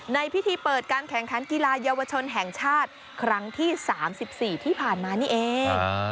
ในพิธีเปิดการแข่งขันกีฬาเยาวชนแห่งชาติครั้งที่๓๔ที่ผ่านมานี่เอง